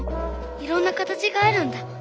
いろんな形があるんだ。